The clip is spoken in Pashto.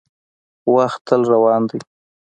• وخت تل روان دی.